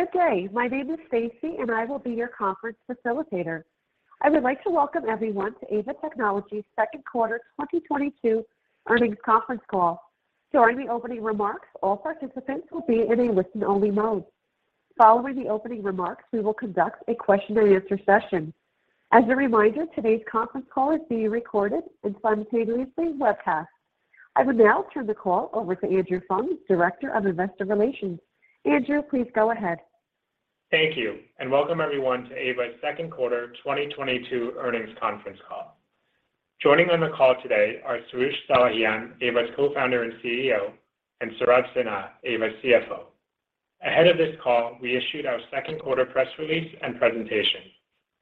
Good day. My name is Stacy, and I will be your conference facilitator. I would like to welcome everyone to Aeva Technologies' second quarter 2022 earnings conference call. During the opening remarks, all participants will be in a listen-only mode. Following the opening remarks, we will conduct a question-and-answer session. As a reminder, today's conference call is being recorded and simultaneously webcast. I would now turn the call over to Andrew Fung, Director of Investor Relations. Andrew, please go ahead. Thank you, and welcome, everyone, to Aeva's second quarter 2022 earnings conference call. Joining on the call today are Soroush Salehian, Aeva's Co-founder and CEO, and Saurabh Sinha, Aeva's CFO. Ahead of this call, we issued our second quarter press release and presentation,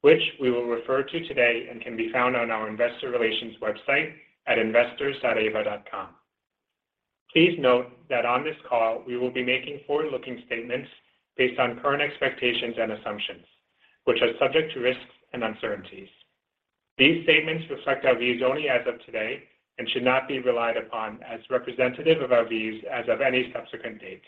which we will refer to today and can be found on our investor relations website at investors.aeva.com. Please note that on this call, we will be making forward-looking statements based on current expectations and assumptions, which are subject to risks and uncertainties. These statements reflect our views only as of today and should not be relied upon as representative of our views as of any subsequent date.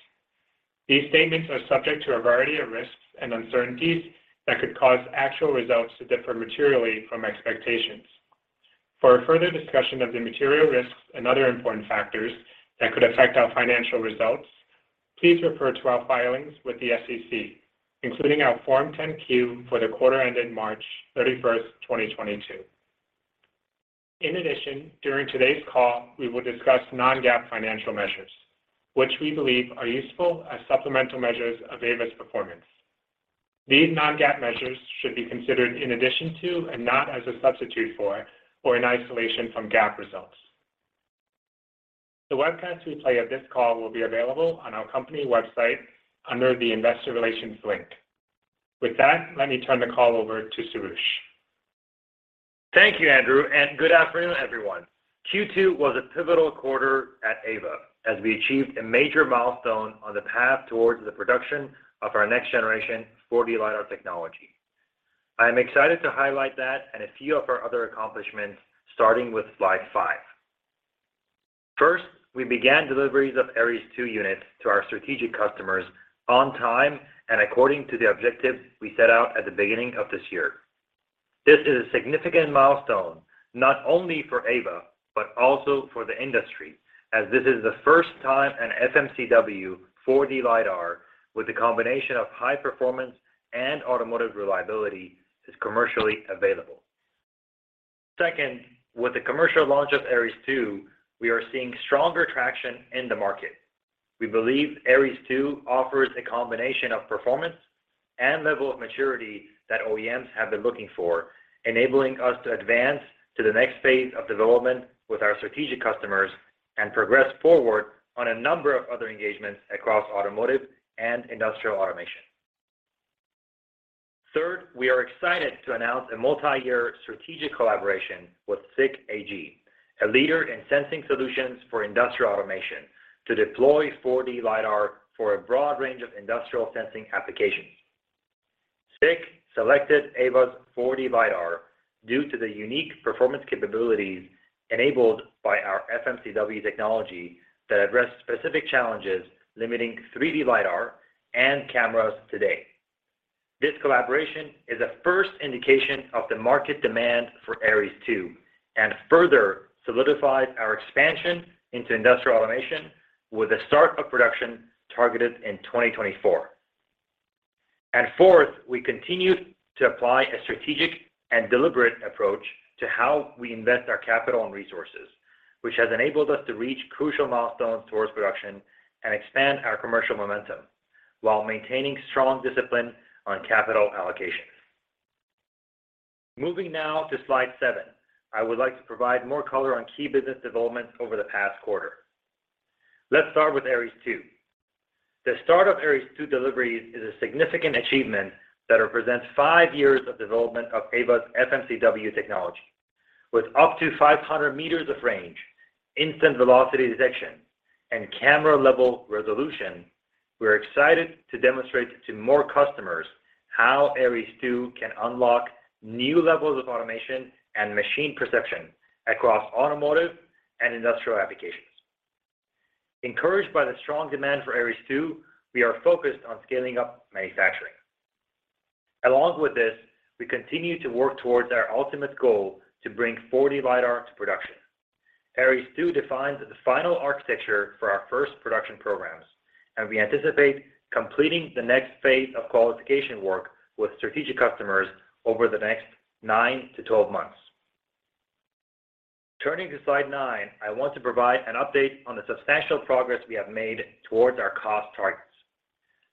These statements are subject to a variety of risks and uncertainties that could cause actual results to differ materially from expectations. For a further discussion of the material risks and other important factors that could affect our financial results, please refer to our filings with the SEC, including our Form 10-Q for the quarter ended March 31, 2022. In addition, during today's call, we will discuss non-GAAP financial measures, which we believe are useful as supplemental measures of Aeva's performance. These non-GAAP measures should be considered in addition to and not as a substitute for or in isolation from GAAP results. The webcast replay of this call will be available on our company website under the Investor Relations link. With that, let me turn the call over to Soroush. Thank you, Andrew, and good afternoon, everyone. Q2 was a pivotal quarter at Aeva as we achieved a major milestone on the path towards the production of our next-generation 4D LiDAR technology. I am excited to highlight that and a few of our other accomplishments, starting with Slide 5. First, we began deliveries of Aeries II units to our strategic customers on time and according to the objective we set out at the beginning of this year. This is a significant milestone not only for Aeva but also for the industry, as this is the first time an FMCW 4D LiDAR with a combination of high performance and automotive reliability is commercially available. Second, with the commercial launch of Aeries II, we are seeing stronger traction in the market. We believe Aeries II offers a combination of performance and level of maturity that OEMs have been looking for, enabling us to advance to the next phase of development with our strategic customers and progress forward on a number of other engagements across automotive and industrial automation. Third, we are excited to announce a multi-year strategic collaboration with SICK AG, a leader in sensing solutions for industrial automation, to deploy 4D LiDAR for a broad range of industrial sensing applications. SICK selected Aeva's 4D LiDAR due to the unique performance capabilities enabled by our FMCW technology that address specific challenges limiting 3D LiDAR and cameras today. This collaboration is a first indication of the market demand for Aeries II and further solidifies our expansion into industrial automation with the start of production targeted in 2024. Fourth, we continued to apply a strategic and deliberate approach to how we invest our capital and resources, which has enabled us to reach crucial milestones towards production and expand our commercial momentum while maintaining strong discipline on capital allocations. Moving now to Slide 7, I would like to provide more color on key business developments over the past quarter. Let's start with Aeries II. The start of Aeries II deliveries is a significant achievement that represents five years of development of Aeva's FMCW technology. With up to 500 m of range, instant velocity detection, and camera-level resolution, we are excited to demonstrate to more customers how Aeries II can unlock new levels of automation and machine perception across automotive and industrial applications. Encouraged by the strong demand for Aeries II, we are focused on scaling up manufacturing. Along with this, we continue to work towards our ultimate goal to bring 4D LiDAR to production. Aeries II defines the final architecture for our first production programs, and we anticipate completing the next phase of qualification work with strategic customers over the next 9-12 months. Turning to Slide 9, I want to provide an update on the substantial progress we have made towards our cost targets.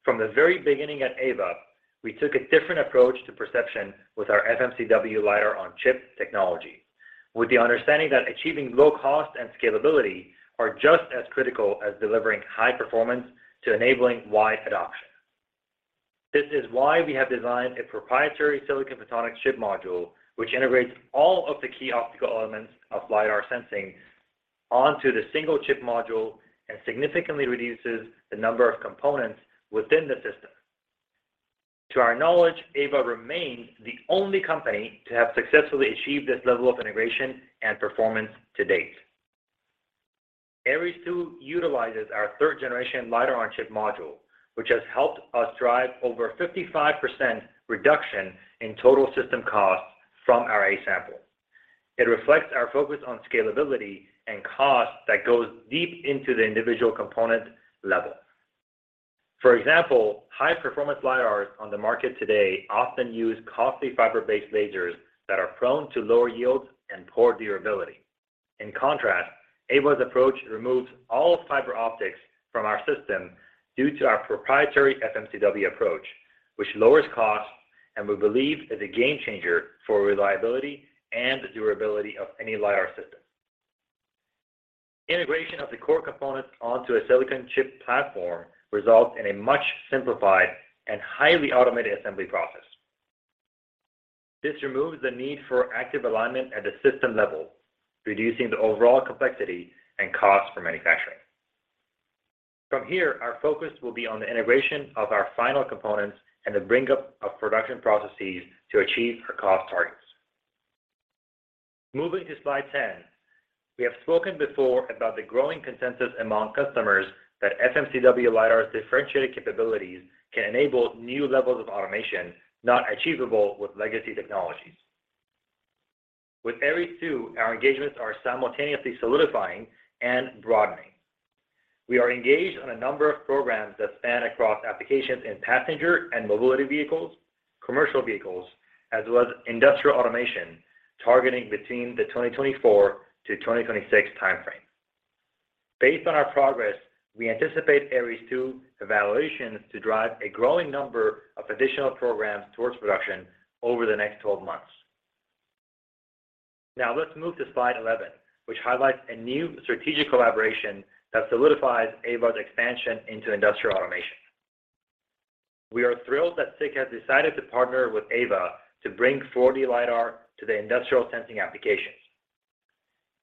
From the very beginning at Aeva, we took a different approach to perception with our FMCW LiDAR-on-chip technology with the understanding that achieving low cost and scalability are just as critical as delivering high performance to enabling wide adoption. This is why we have designed a proprietary silicon photonic chip module which integrates all of the key optical elements of LiDAR sensing onto the single chip module and significantly reduces the number of components within the system. To our knowledge, Aeva remains the only company to have successfully achieved this level of integration and performance to date. Aeries II utilizes our third generation LiDAR-on-chip module, which has helped us drive over 55% reduction in total system costs from our A-sample. It reflects our focus on scalability and cost that goes deep into the individual component level. For example, high performance LiDARs on the market today often use costly fiber-based lasers that are prone to lower yields and poor durability. In contrast, Aeva's approach removes all fiber optics from our system due to our proprietary FMCW approach, which lowers costs and we believe is a game changer for reliability and the durability of any LiDAR system. Integration of the core components onto a silicon chip platform results in a much simplified and highly automated assembly process. This removes the need for active alignment at the system level, reducing the overall complexity and cost for manufacturing. From here, our focus will be on the integration of our final components and the bring up of production processes to achieve our cost targets. Moving to Slide 10. We have spoken before about the growing consensus among customers that FMCW LiDAR's differentiated capabilities can enable new levels of automation not achievable with legacy technologies. With Aeries II, our engagements are simultaneously solidifying and broadening. We are engaged on a number of programs that span across applications in passenger and mobility vehicles, commercial vehicles, as well as industrial automation, targeting between the 2024-2026 time frame. Based on our progress, we anticipate Aeries II evaluations to drive a growing number of additional programs towards production over the next 12 months. Now, let's move to Slide 11, which highlights a new strategic collaboration that solidifies Aeva's expansion into industrial automation. We are thrilled that SICK has decided to partner with Aeva to bring 4D LiDAR to the industrial sensing applications.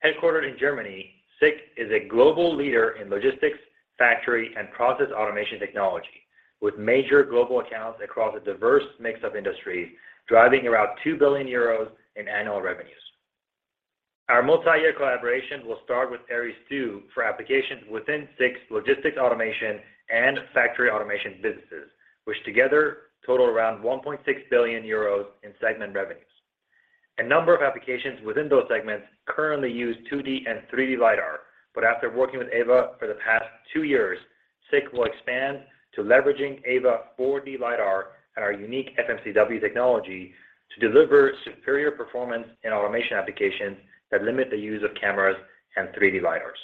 Headquartered in Germany, SICK is a global leader in logistics, factory, and process automation technology with major global accounts across a diverse mix of industries, driving around 2 billion euros in annual revenues. Our multi-year collaboration will start with Aeries II for applications within SICK's logistics automation and factory automation businesses, which together total around 1.6 billion euros in segment revenues. A number of applications within those segments currently use 2D and 3D LiDAR. After working with Aeva for the past two years, SICK will expand to leveraging Aeva 4D LiDAR and our unique FMCW technology to deliver superior performance in automation applications that limit the use of cameras and 3D LiDARs.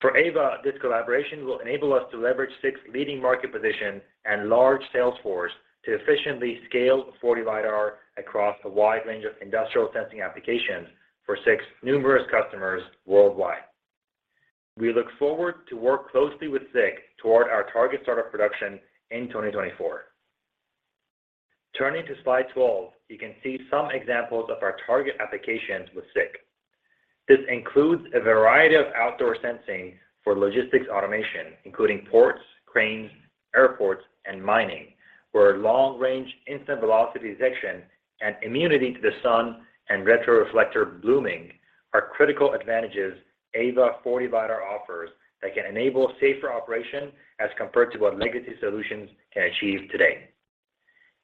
For Aeva, this collaboration will enable us to leverage SICK's leading market position and large sales force to efficiently scale 4D LiDAR across a wide range of industrial sensing applications for SICK's numerous customers worldwide. We look forward to work closely with SICK toward our target start of production in 2024. Turning to Slide 12, you can see some examples of our target applications with SICK. This includes a variety of outdoor sensing for logistics automation, including ports, cranes, airports, and mining, where long-range instant velocity detection and immunity to the sun and retroreflector blooming are critical advantages Aeva 4D LiDAR offers that can enable safer operation as compared to what legacy solutions can achieve today.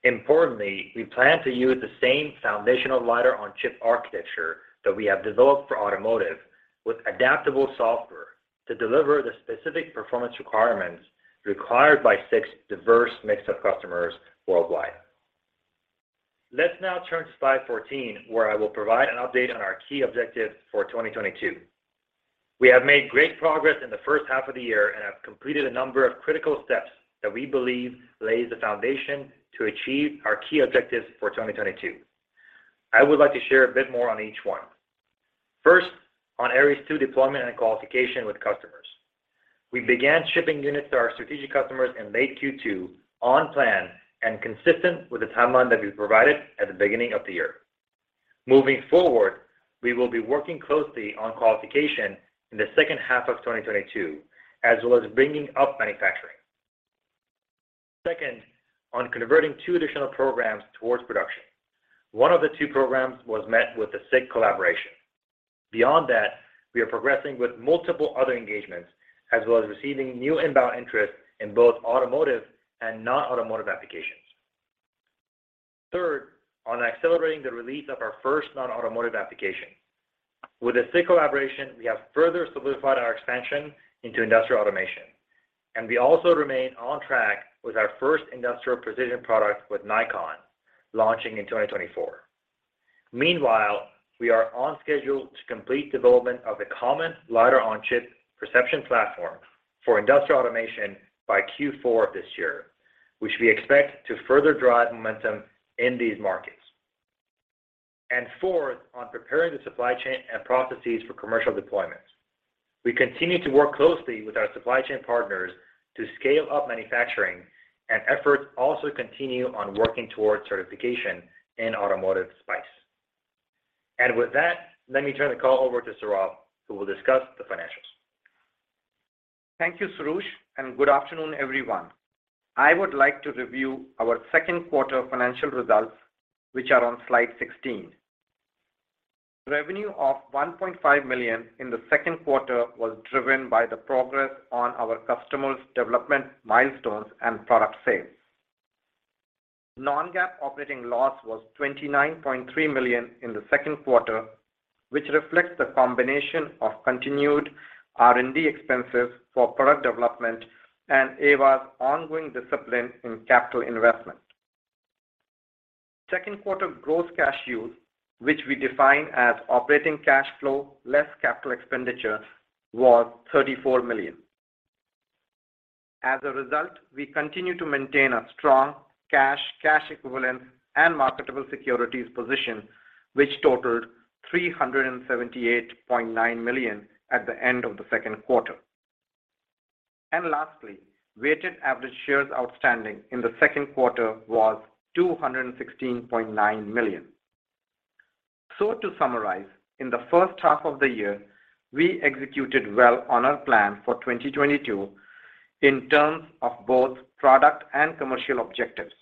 Importantly, we plan to use the same foundational LiDAR-on-chip architecture that we have developed for automotive with adaptable software to deliver the specific performance requirements required by SICK's diverse mix of customers worldwide. Let's now turn to Slide 14, where I will provide an update on our key objectives for 2022. We have made great progress in the first half of the year and have completed a number of critical steps that we believe lay the foundation to achieve our key objectives for 2022. I would like to share a bit more on each one. First, on Aeries II deployment and qualification with customers. We began shipping units to our strategic customers in late Q2 on plan and consistent with the timeline that we provided at the beginning of the year. Moving forward, we will be working closely on qualification in the second half of 2022, as well as bringing up manufacturing. Second, on converting two additional programs towards production. One of the two programs went with the SICK collaboration. Beyond that, we are progressing with multiple other engagements, as well as receiving new inbound interest in both automotive and non-automotive applications. Third, on accelerating the release of our first non-automotive application. With the SICK collaboration, we have further solidified our expansion into industrial automation, and we also remain on track with our first industrial precision product with Nikon launching in 2024. Meanwhile, we are on schedule to complete development of the common LiDAR-on-chip perception platform for industrial automation by Q4 of this year, which we expect to further drive momentum in these markets. Fourth, on preparing the supply chain and processes for commercial deployment. We continue to work closely with our supply chain partners to scale up manufacturing, and efforts also continue on working towards certification in Automotive SPICE. With that, let me turn the call over to Saurabh, who will discuss the financials. Thank you, Soroush, and good afternoon, everyone. I would like to review our second quarter financial results, which are on Slide 16. Revenue of $1.5 million in the second quarter was driven by the progress on our customers' development milestones and product sales. Non-GAAP operating loss was $29.3 million in the second quarter, which reflects the combination of continued R&D expenses for product development and Aeva's ongoing discipline in capital investment. Second quarter gross cash use, which we define as operating cash flow less capital expenditure, was $34 million. As a result, we continue to maintain a strong cash equivalent, and marketable securities position, which totaled $378.9 million at the end of the second quarter. Lastly, weighted average shares outstanding in the second quarter was 216.9 million. To summarize, in the first half of the year, we executed well on our plan for 2022 in terms of both product and commercial objectives.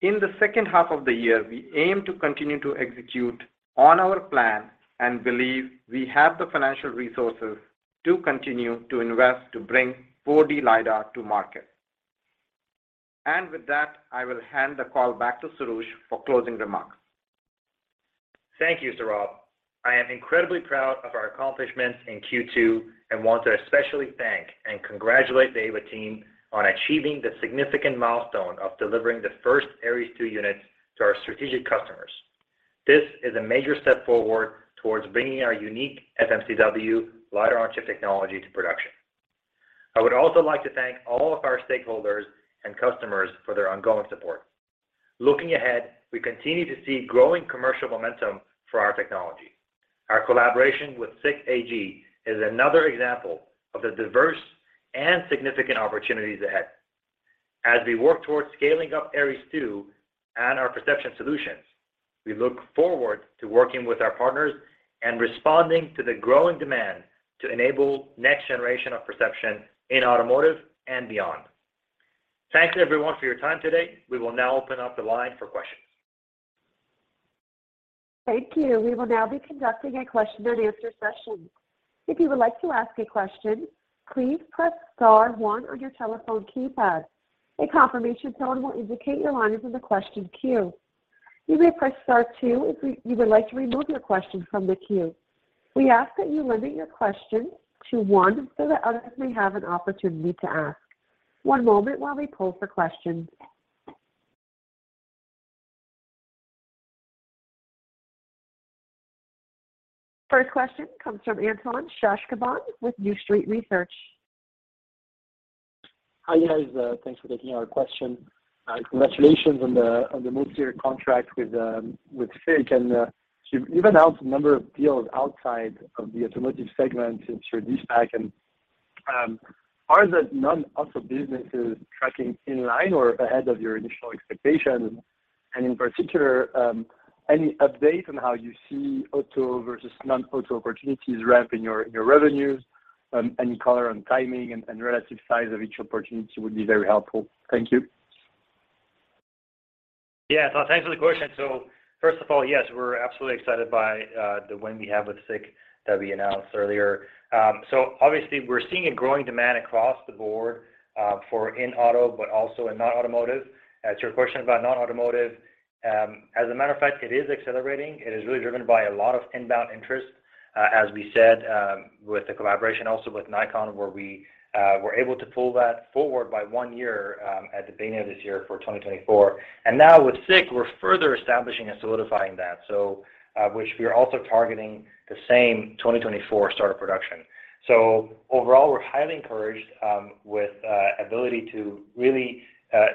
In the second half of the year, we aim to continue to execute on our plan and believe we have the financial resources to continue to invest to bring 4D LiDAR to market. With that, I will hand the call back to Soroush for closing remarks. Thank you, Saurabh. I am incredibly proud of our accomplishments in Q2 and want to especially thank and congratulate the Aeva team on achieving the significant milestone of delivering the first Aeries II units to our strategic customers. This is a major step forward towards bringing our unique FMCW LiDAR-on-chip technology to production. I would also like to thank all of our stakeholders and customers for their ongoing support. Looking ahead, we continue to see growing commercial momentum for our technology. Our collaboration with SICK AG is another example of the diverse and significant opportunities ahead. As we work towards scaling up Aeries II and our perception solutions, we look forward to working with our partners and responding to the growing demand to enable next-generation perception in automotive and beyond. Thank you everyone for your time today. We will now open up the line for questions. Thank you. We will now be conducting a question and answer session. If you would like to ask a question, please press star one on your telephone keypad. A confirmation tone will indicate your line is in the question queue. You may press star two if you would like to remove your question from the queue. We ask that you limit your question to one so that others may have an opportunity to ask. One moment while we poll for questions. First question comes from Antoine Chkaiban with New Street Research. Hi guys, thanks for taking our question. Congratulations on the multi-year contract with SICK. You've announced a number of deals outside of the automotive segment since your de-SPAC. Are the non-auto businesses tracking in line or ahead of your initial expectations? In particular, any update on how you see auto versus non-auto opportunities ramp in your revenues? Any color on timing and relative size of each opportunity would be very helpful. Thank you. Yeah. Thanks for the question. First of all, yes, we're absolutely excited by the win we have with SICK that we announced earlier. Obviously we're seeing a growing demand across the board for in auto, but also in non-automotive. To your question about non-automotive, as a matter of fact, it is accelerating. It is really driven by a lot of inbound interest, as we said, with the collaboration also with Nikon, where we were able to pull that forward by one year, at the beginning of this year for 2024. Now with SICK, we're further establishing and solidifying that. Which we are also targeting the same 2024 start of production. Overall, we're highly encouraged with ability to really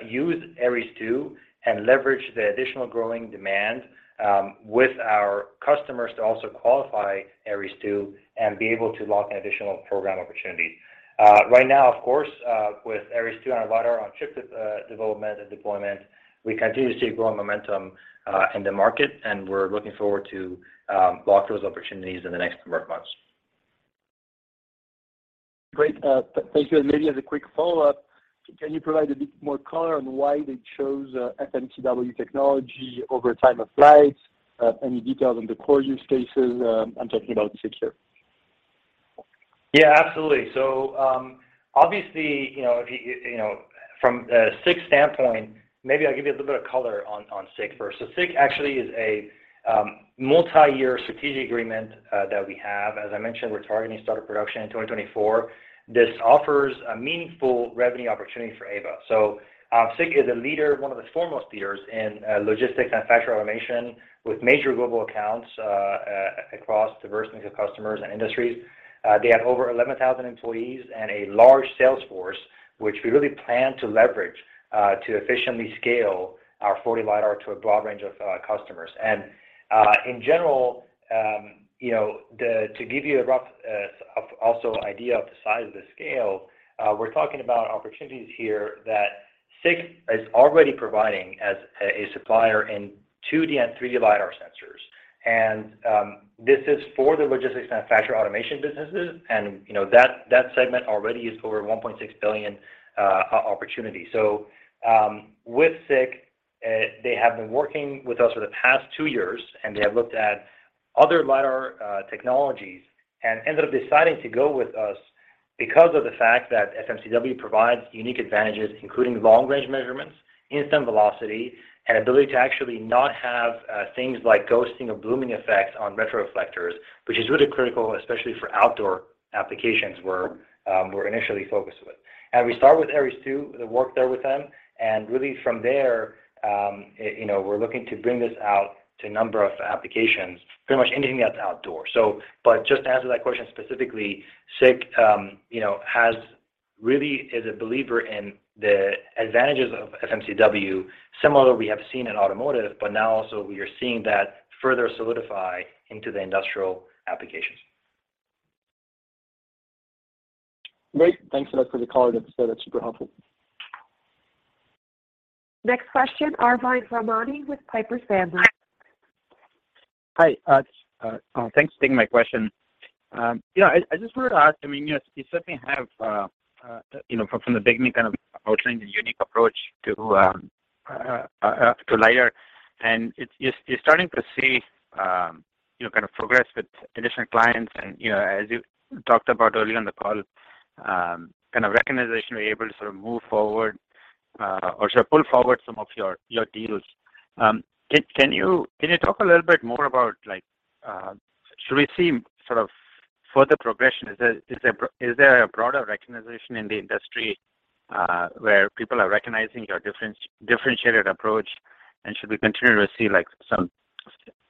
use Aeries II and leverage the additional growing demand with our customers to also qualify Aeries II and be able to lock in additional program opportunities. Right now of course, with Aeries II and our LiDAR-on-chip development and deployment, we continue to see growing momentum in the market, and we're looking forward to lock those opportunities in the next number of months. Great. Thank you. Maybe as a quick follow-up, can you provide a bit more color on why they chose FMCW technology over time of flight? Any details on the core use cases? I'm talking about SICK here. Yeah, absolutely. Obviously, you know, from SICK's standpoint, maybe I'll give you a little bit of color on SICK first. SICK actually is a multi-year strategic agreement that we have. As I mentioned, we're targeting start of production in 2024. This offers a meaningful revenue opportunity for Aeva. SICK is a leader, one of the foremost leaders in logistics and factory automation with major global accounts across diverse mix of customers and industries. They have over 11,000 employees and a large sales force, which we really plan to leverage to efficiently scale our 4D LiDAR to a broad range of customers. In general, you know, to give you a rough, also idea of the size of the scale, we're talking about opportunities here that SICK is already providing as a supplier in 2D and 3D LiDAR sensors. This is for the logistics and manufacturing automation businesses, and you know, that segment already is over $1.6 billion opportunity. With SICK, they have been working with us for the past two years, and they have looked at other LiDAR technologies and ended up deciding to go with us because of the fact that FMCW provides unique advantages, including long-range measurements, instant velocity, and ability to actually not have things like ghosting or blooming effects on retroreflectors, which is really critical, especially for outdoor applications we're initially focused with. We start with Aeries II, the work there with them, and really from there, you know, we're looking to bring this out to a number of applications, pretty much anything that's outdoor. Just to answer that question specifically, SICK, you know, is really a believer in the advantages of FMCW. Similarly, we have seen in automotive, but now also we are seeing that further solidify into the industrial applications. Great. Thanks a lot for the color, Soroush. That's super helpful. Next question, Arvind Ramnani with Piper Sandler. Hi. Thanks for taking my question. Yeah, I just wanted to ask, I mean, you know, you certainly have, you know, from the beginning kind of approaching the unique approach to LiDAR. You're starting to see, you know, kind of progress with additional clients and, you know, as you talked about earlier on the call, kind of recognition you're able to sort of move forward, or should I pull forward some of your deals. Can you talk a little bit more about, like, should we see sort of further progression? Is there a broader recognition in the industry, where people are recognizing your differentiated approach? Should we continue to see, like, some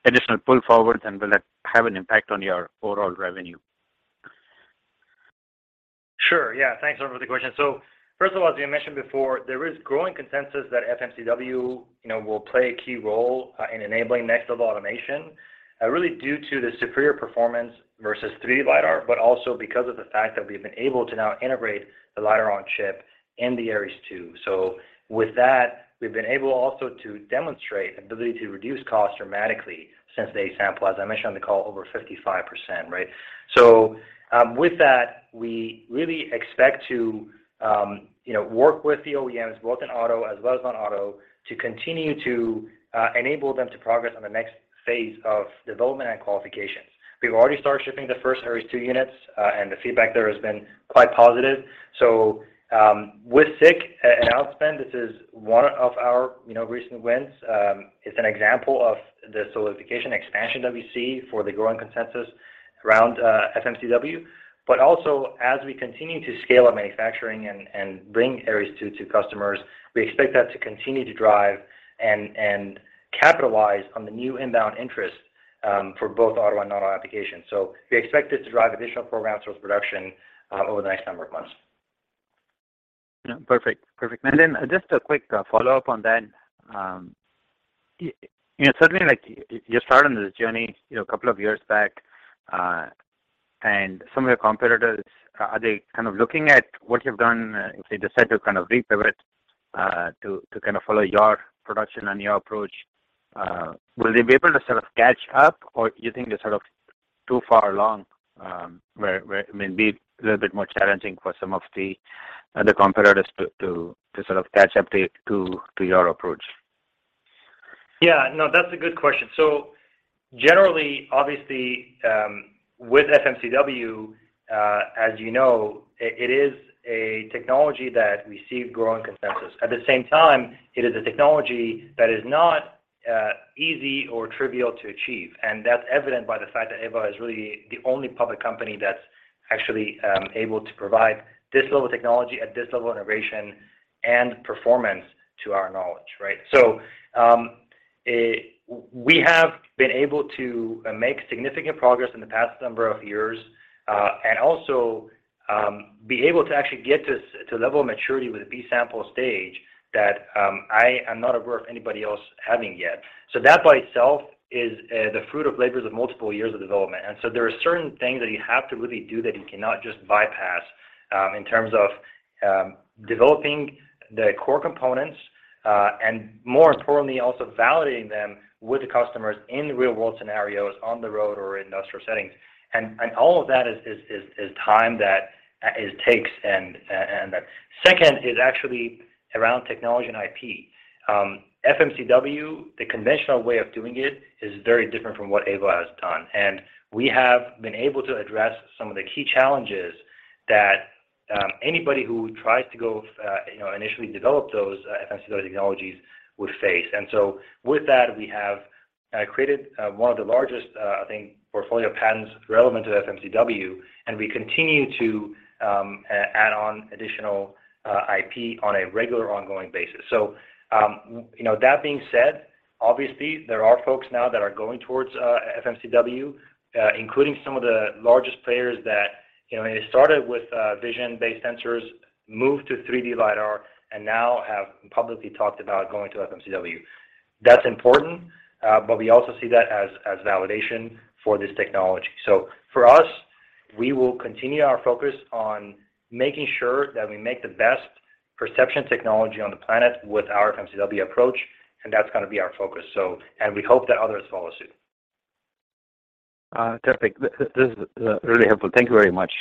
additional pull forward, and will it have an impact on your overall revenue? Sure. Yeah. Thanks, Arvind, for the question. First of all, as we mentioned before, there is growing consensus that FMCW, you know, will play a key role in enabling next level automation, really due to the superior performance versus 3D LiDAR, but also because of the fact that we've been able to now integrate the LiDAR-on-chip in the Aeries II. With that, we've been able also to demonstrate ability to reduce costs dramatically since the A-sample, as I mentioned on the call, over 55%, right? With that, we really expect to, you know, work with the OEMs both in auto as well as non-auto to continue to enable them to progress on the next phase of development and qualifications. We've already started shipping the first Aeries II units, and the feedback there has been quite positive. With SICK and expansion, this is one of our, you know, recent wins. It's an example of the solidification expansion that we see for the growing consensus around FMCW. As we continue to scale our manufacturing and bring Aeries II to customers, we expect that to continue to drive and capitalize on the new inbound interest for both auto and non-auto applications. We expect this to drive additional programs towards production over the next number of months. Yeah. Perfect. Perfect. Just a quick follow-up on that. You know, certainly like you're starting this journey, you know, a couple of years back, and some of your competitors, are they kind of looking at what you've done if they decide to kind of repivot to kind of follow your production and your approach? Will they be able to sort of catch up, or you think they're sort of too far along, where it may be a little bit more challenging for some of the competitors to sort of catch up to your approach? Yeah. No, that's a good question. Generally, obviously, with FMCW, as you know, it is a technology that we see growing consensus. At the same time, it is a technology that is not easy or trivial to achieve, and that's evident by the fact that Aeva is really the only public company that's actually able to provide this level of technology at this level of integration and performance to our knowledge, right? We have been able to make significant progress in the past number of years, and also be able to actually get to a level of maturity with a B-sample stage that I am not aware of anybody else having yet. That by itself is the fruit of labors of multiple years of development. There are certain things that you have to really do that you cannot just bypass, in terms of developing the core components, and more importantly, also validating them with the customers in real-world scenarios on the road or industrial settings. All of that is time that it takes. Second is actually around technology and IP. FMCW, the conventional way of doing it is very different from what Aeva has done. We have been able to address some of the key challenges that anybody who tries to go, you know, initially develop those FMCW technologies would face. With that, we have created one of the largest, I think, patent portfolio relevant to FMCW, and we continue to add on additional IP on a regular ongoing basis. You know, that being said, obviously, there are folks now that are going towards FMCW, including some of the largest players that, you know, they started with vision-based sensors, moved to 3D LiDAR, and now have publicly talked about going to FMCW. That's important, but we also see that as validation for this technology. For us, we will continue our focus on making sure that we make the best perception technology on the planet with our FMCW approach, and that's gonna be our focus. We hope that others follow suit. Perfect. This is really helpful. Thank you very much.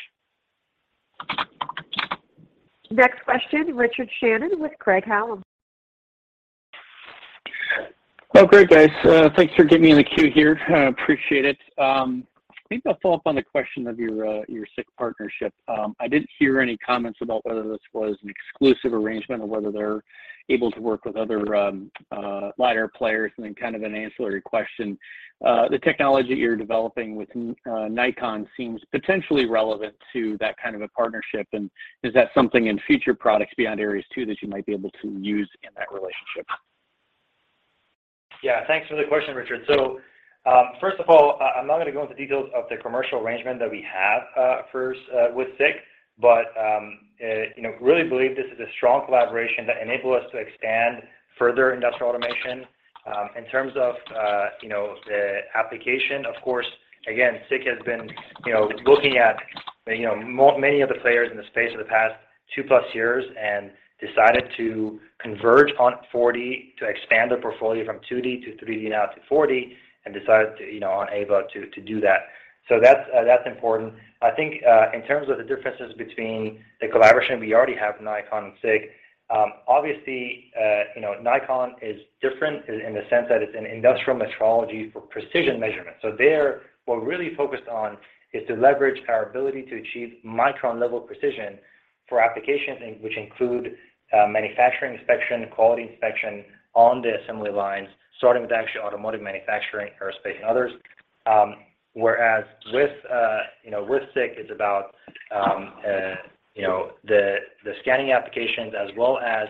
Next question, Richard Shannon with Craig-Hallum. Oh, great, guys. Thanks for getting me in the queue here. I appreciate it. I think I'll follow up on the question of your SICK partnership. I didn't hear any comments about whether this was an exclusive arrangement or whether they're able to work with other LiDAR players. Then kind of an ancillary question, the technology you're developing with Nikon seems potentially relevant to that kind of a partnership. Is that something in future products beyond Aeries II that you might be able to use in that relationship? Yeah. Thanks for the question, Richard. First of all, I'm not gonna go into details of the commercial arrangement that we have, first, with SICK. You know, really believe this is a strong collaboration that enable us to expand further industrial automation. In terms of, you know, the application, of course, again, SICK has been, you know, looking at, you know, many of the players in the space of the past 2+ years and decided to converge on 4D to expand their portfolio from 2D to 3D now to 4D, and decided to, you know, on Aeva to do that. That's important. I think, in terms of the differences between the collaboration we already have with Nikon and SICK, obviously, you know, Nikon is different in the sense that it's an industrial metrology for precision measurements. There, what we're really focused on is to leverage our ability to achieve micron level precision for applications in which include, manufacturing inspection, quality inspection on the assembly lines, starting with actually automotive manufacturing, aerospace and others. Whereas with, you know, with SICK, it's about, you know, the scanning applications as well as,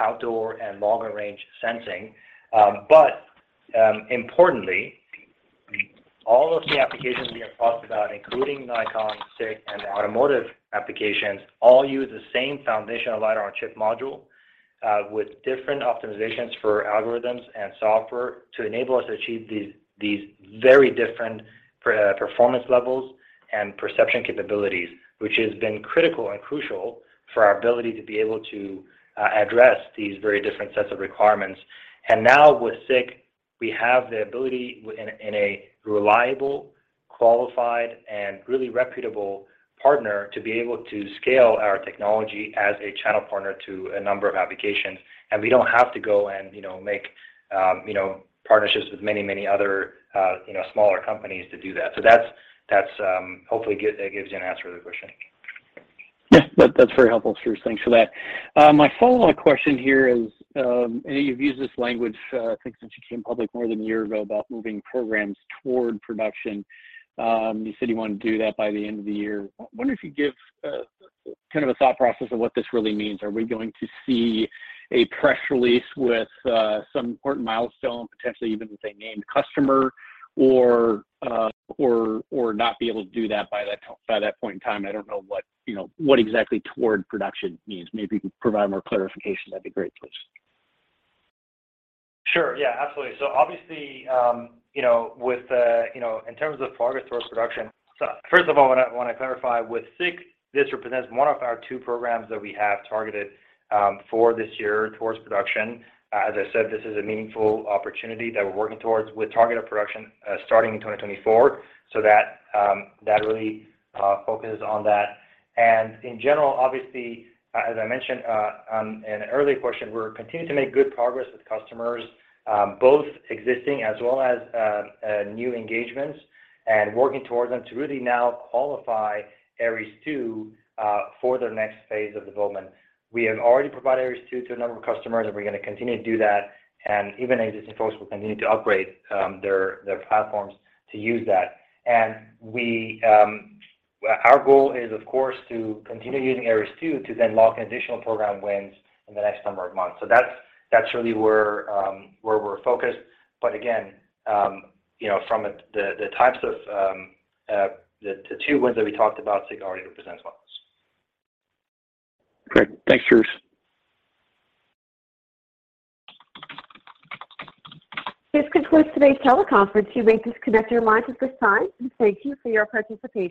outdoor and longer range sensing. Importantly, all of the applications we have talked about, including Nikon, SICK, and the automotive applications, all use the same foundational LiDAR-on-chip module with different optimizations for algorithms and software to enable us to achieve these very different performance levels and perception capabilities, which has been critical and crucial for our ability to be able to address these very different sets of requirements. Now with SICK, we have the ability in a reliable, qualified, and really reputable partner to be able to scale our technology as a channel partner to a number of applications. We don't have to go and you know make you know partnerships with many other you know smaller companies to do that. That gives you an answer to the question. Yeah. That's very helpful, Soroush. Thanks for that. My follow-up question here is, and you've used this language, I think since you came public more than a year ago about moving programs toward production. You said you wanted to do that by the end of the year. I wonder if you'd give kind of a thought process of what this really means. Are we going to see a press release with some important milestone, potentially even with a named customer or not be able to do that by that point in time? I don't know what, you know, exactly toward production means. Maybe if you could provide more clarification, that'd be great, please. Sure. Yeah, absolutely. Obviously, you know, with you know, in terms of progress towards production. First of all, what I want to clarify with SICK, this represents one of our two programs that we have targeted for this year towards production. As I said, this is a meaningful opportunity that we're working towards with targeted production starting in 2024. That really focuses on that. In general, obviously, as I mentioned in an earlier question, we're continuing to make good progress with customers both existing as well as new engagements and working towards them to really now qualify Aeries II for the next phase of development. We have already provided Aeries II to a number of customers, and we're gonna continue to do that. Even existing folks will continue to upgrade their platforms to use that. Our goal is, of course, to continue using Aeries II to then lock in additional program wins in the next number of months. That's really where we're focused. Again, you know, from the types of the two wins that we talked about, SICK already represents one of those. Great. Thanks, Soroush. This concludes today's teleconference. You may disconnect your lines at this time. Thank you for your participation.